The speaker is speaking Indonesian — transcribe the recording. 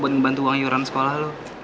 buat ngebantu uang yuran sekolah lo